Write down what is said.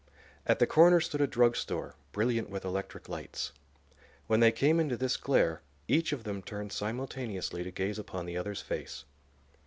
At the corner stood a drug store, brilliant with electric lights. When they came into this glare each of them turned simultaneously to gaze upon the other's face.